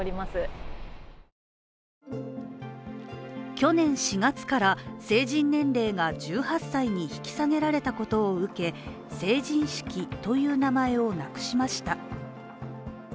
去年４月から成人年齢が１８歳に引き下げられたことを受け、成人式という名前をなくしました。